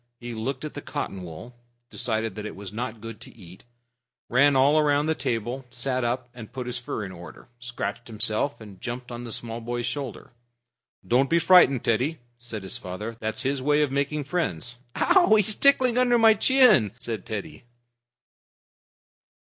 He looked at the cotton wool, decided that it was not good to eat, ran all round the table, sat up and put his fur in order, scratched himself, and jumped on the small boy's shoulder. "Don't be frightened, Teddy," said his father. "That's his way of making friends." "Ouch! He's tickling under my chin," said Teddy.